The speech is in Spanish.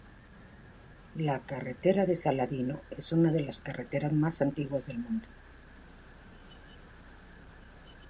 La carretera de Saladino es una de las carreteras más antiguas del mundo.